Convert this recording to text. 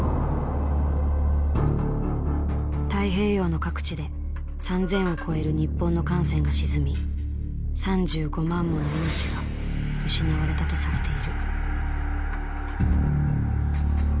太平洋の各地で３，０００を超える日本の艦船が沈み３５万もの命が失われたとされている。